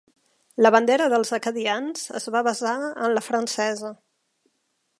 La bandera dels acadians es va basar en la francesa.